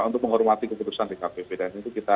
untuk menghormati keputusan dkpp dan itu kita